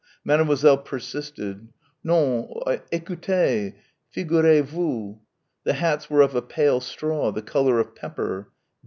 Mademoiselle persisted ... non, écoutez figurez vous the hats were of a pale straw ... the colour of pepper